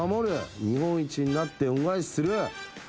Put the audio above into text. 「日本一になって恩返しする！！」